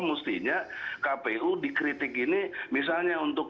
mestinya kpu dikritik ini misalnya untuk